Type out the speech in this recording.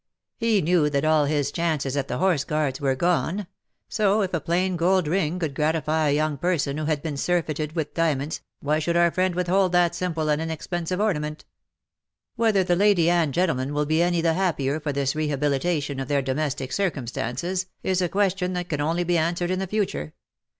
He knew that all his chances at the Horseguards were gone; so if a plain gold ring could gratify a young person who had been surfeited with diamonds, why should our friend withhold that simple and inexpensive ornament ? Whether the lady and gentleman will be any the happier for this rehabilitation of their domestic circum stances, is a question that can only be answered in the future.